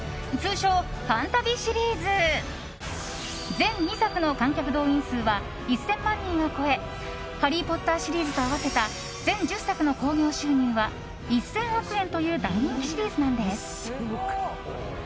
通称「ファンタビ」シリーズ。前２作の観客動員数は１０００万人を超え「ハリー・ポッター」シリーズと合わせた全１０作と合わせた興行収入は１０００億円という大人気シリーズなんです。